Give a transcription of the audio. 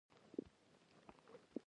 د بلخ نوم د بخدي له کلمې دی